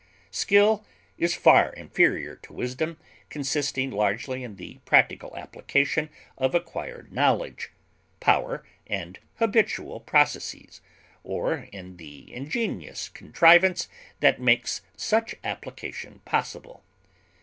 Skill is far inferior to wisdom, consisting largely in the practical application of acquired knowledge, power, and habitual processes, or in the ingenious contrivance that makes such application possible.